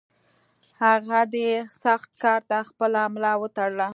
هغه دې سخت کار ته خپله ملا وتړله.